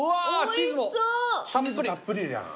チーズたっぷりじゃん。